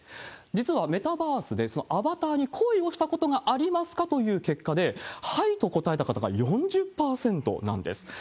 実はメタバースでそのアバターに恋をしたことがありますか？という結果で、はいと答えた方が４０％なんです。